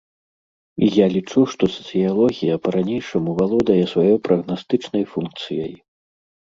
І я лічу, што сацыялогія па-ранейшаму валодае сваёй прагнастычнай функцыяй.